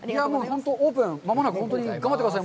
オープン、間もなく、本当に頑張ってください。